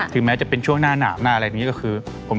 แม้จะเป็นช่วงหน้าหนาวหน้าอะไรอย่างนี้ก็คือ